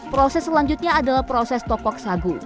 proses selanjutnya adalah proses tokok sagu